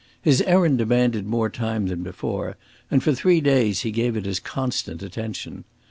His errand demanded more time than before, and for three days he gave it his constant attention.